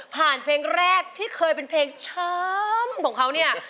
เพลงแรกที่เคยเป็นเพลงช้ำของเขาเนี่ย